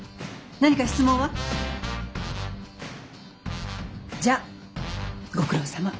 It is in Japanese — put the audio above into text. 何か質問は？じゃあご苦労さま。